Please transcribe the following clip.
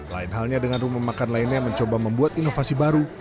lain halnya dengan rumah makan lainnya yang mencoba membuat inovasi baru